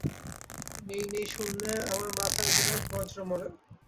নেই নেই শুনলে আমার মাথায় যেন বজ্র মারে।